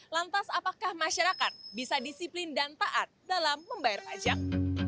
lantas apakah masyarakat bisa disiplin dan taat dalam membayar pajak